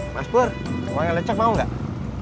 mas pur uang yang lecek mau gak